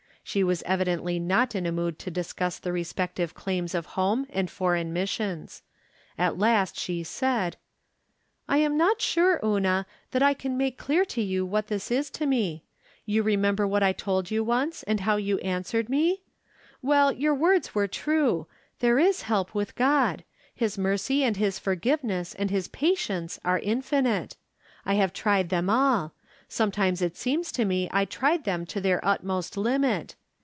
She was evidently not in a mood to discuss the respective claims of home and foreign missions. At last she said :" I am not sure, Una, that I can make clear to you what this is to me. You remember what I told you once, and how you answered me ? Well, From Different Standpoints. 871 your words were true ; there is help with God ; his mercy and his forgiveness and his patience are infinite. I have tried them all ; sometimes it seems to me I tried them to their utmost limit.